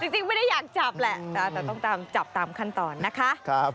จริงไม่ได้อยากจับแหละแต่ต้องตามจับตามขั้นตอนนะคะ